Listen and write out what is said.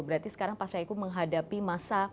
berarti sekarang pak syahiku menghadapi masa